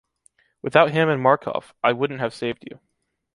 Without him and Marcof, I wouldn’t have saved you.